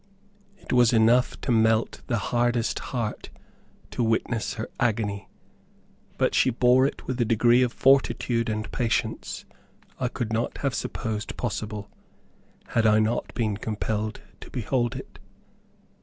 It was enough to melt the hardest heart to witness her agony; but she bore it with a degree of fortitude and patience, I could not have supposed possible, had I not been compelled to behold it.